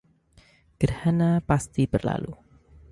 Gerhana pasti berlalu